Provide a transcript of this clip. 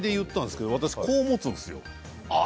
私はこう持つんですよ。